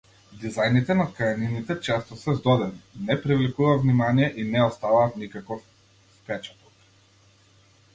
Дизајните на ткаенините често се здодевни, не привлекуваат внимание, и не оставаат никаков впечаток.